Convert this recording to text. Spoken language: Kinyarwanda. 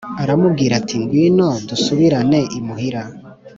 Aramubwira ati Ngwino dusubirane imuhira